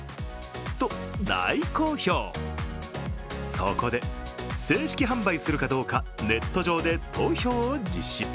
そこで正式販売するかどうかネット上で投票を実施。